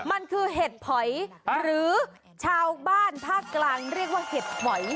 มันคือเห็ดหอยหรือชาวบ้านภาคกลางเรียกว่าเห็ดหอย